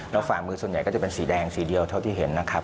แล้วฝ่ามือส่วนใหญ่ก็จะเป็นสีแดงสีเดียวเท่าที่เห็นนะครับ